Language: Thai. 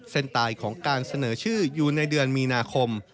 ตายของการเสนอชื่ออยู่ในเดือนมีนาคม